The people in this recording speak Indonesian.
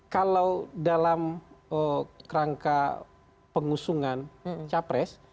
kalau dalam rangka pengusungan capres